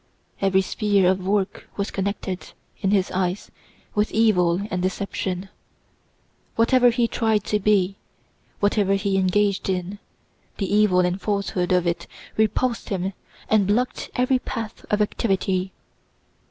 Every sphere of work was connected, in his eyes, with evil and deception. Whatever he tried to be, whatever he engaged in, the evil and falsehood of it repulsed him and blocked every path of activity.